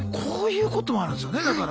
こういうこともあるんですよねだから。